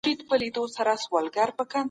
ایا دا هیواد وروسته پاته دی؟